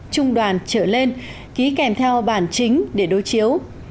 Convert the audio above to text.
trung đoàn trở lên ký kèm theo bản chính để đối chiếu